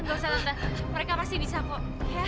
tante mereka pasti bisa kok